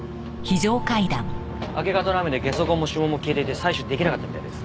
明け方の雨でゲソ痕も指紋も消えていて採取出来なかったみたいです。